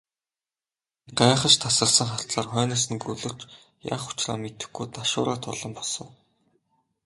Би гайхаш тасарсан харцаар хойноос нь гөлөрч, яах учраа мэдэхгүй ташуураа тулан босов.